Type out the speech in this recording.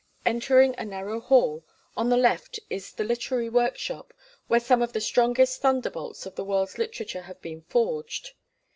Entering a narrow hall, on the left is the literary workshop, where some of the strongest thunderbolts of the world's literature have been forged.